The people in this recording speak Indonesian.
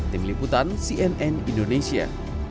tim liputan cnn indonesia